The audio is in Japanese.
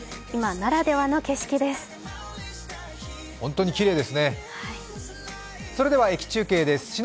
今ならではの景色です。